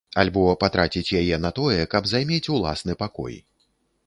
Альбо, патраціць яе на тое, каб займець уласны пакой.